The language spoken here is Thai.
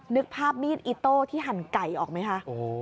นึกภาพมีดอิโต้ที่หั่นไก่ออกไหมคะ